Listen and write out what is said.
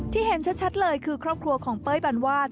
เห็นชัดเลยคือครอบครัวของเป้ยบันวาด